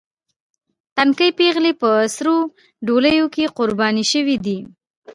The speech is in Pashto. تنکۍ پېغلې په سرو ډولیو کې قرباني شوې دي.